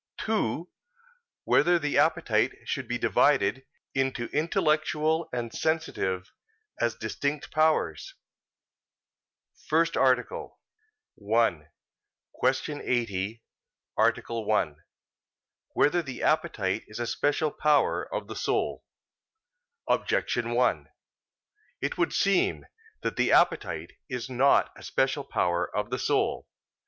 (2) Whether the appetite should be divided into intellectual and sensitive as distinct powers? _______________________ FIRST ARTICLE [I, Q. 80, Art. 1] Whether the Appetite Is a Special Power of the Soul? Objection 1: It would seem that the appetite is not a special power of the soul.